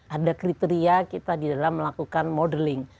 ada kriteria kita di dalam melakukan modeling